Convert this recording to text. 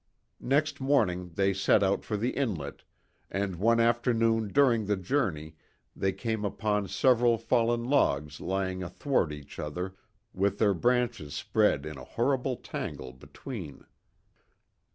Next morning, they set out for the inlet, and one afternoon during the journey they came upon several fallen logs lying athwart each other with their branches spread in a horrible tangle between.